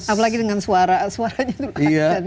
apalagi dengan suara suaranya tuh aksennya lucu